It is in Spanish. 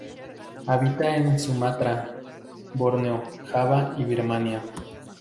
Habita en Sumatra, Borneo, Java y Birmania.